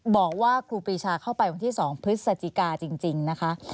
บอกว่าครูปีชาเข้าไปวันที่๒พฤศจิกาจริงนะคะ